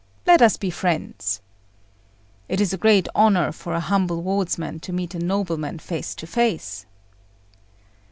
Let us be friends." "It is a great honour for a humble wardsman to meet a nobleman face to face."